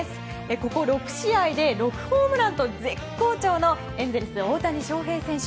ここ６試合で６ホームランと絶好調のエンゼルス、大谷翔平選手。